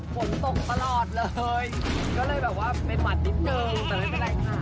ฝนตกตลอดเลยก็เลยแบบว่าไม่หมัดนิดนึงแต่ไม่เป็นไรค่ะ